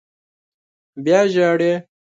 _بيا ژاړې!